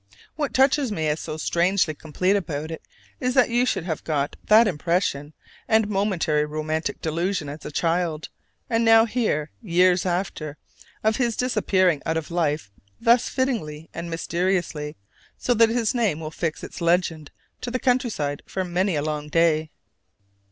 What touches me as so strangely complete about it is that you should have got that impression and momentary romantic delusion as a child, and now hear, years after, of his disappearing out of life thus fittingly and mysteriously, so that his name will fix its legend to the countryside for many a long day.